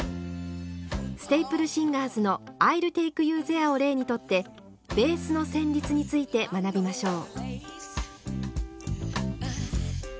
ステイプル・シンガーズの「Ｉ’ｌｌＴａｋｅＹｏｕＴｈｅｒｅ」を例にとってベースの旋律について学びましょう。